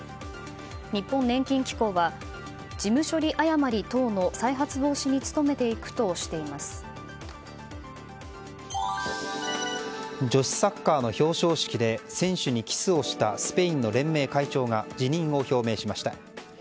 日本年金機構は事務処理誤り等の再発防止に女子サッカーの表彰式で選手にキスをしたスペインの連盟会長が辞任を表明しました。